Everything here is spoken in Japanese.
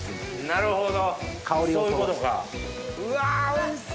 なるほど。